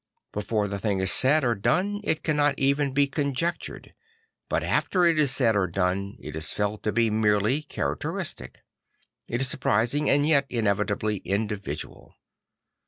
Before the thing is said or done it cannot even be conjectured; but after it is said or done it is felt to be merely characteristic. It is surprisingly and yet inevi tably individual.